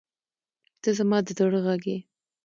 • ته زما د زړه غږ یې.